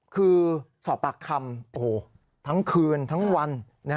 คือสอบปากคำทั้งคืนทั้งวัน